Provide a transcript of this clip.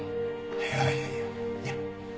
いやいやいやいや。